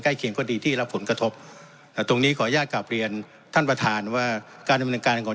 ใกล้เคียงค่ะดีที่รับผลกระทบท่านประทานว่าการแบรนดิ์การของ